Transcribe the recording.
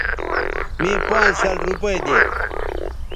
مے پانز شل روپے دے